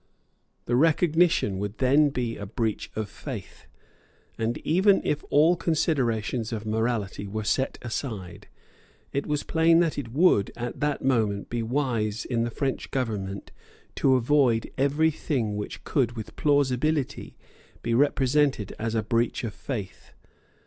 The recognition would then be a breach of faith; and, even if all considerations of morality were set aside, it was plain that it would, at that moment, be wise in the French government to avoid every thing which could with plausibility be represented as a breach of faith.